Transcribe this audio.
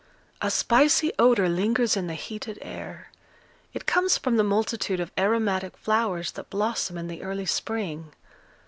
A spicy odour lingers in the heated air; it comes from the multitude of aromatic flowers that blossom in the early spring.